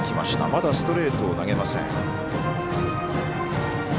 まだストレートを投げません。